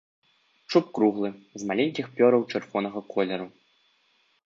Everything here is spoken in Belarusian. Чуб круглы, з маленькіх пёраў чырвонага колеру.